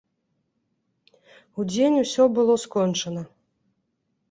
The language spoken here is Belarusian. Удзень усё было скончана.